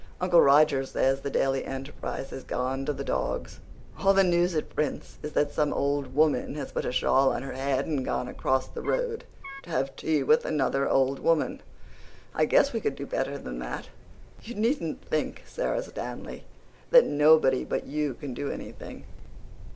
Uncle Roger says the Daily Enterprise has gone to the dogs all the news it prints is that some old woman has put a shawl on her head and gone across the road to have tea with another old woman. I guess we could do better than that. You needn't think, Sara Stanley, that nobody but you can do anything."